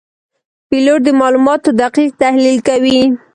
پیلوټ د معلوماتو دقیق تحلیل کوي.